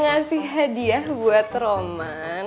ngasih hadiah buat roman